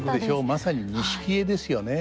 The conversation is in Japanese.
まさに錦絵ですよね。